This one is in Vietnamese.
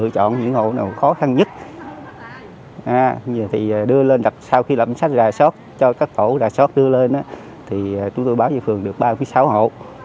trong khi lập sách rà sót cho các tổ rà sót đưa lên chúng tôi báo với phường được ba mươi sáu hộ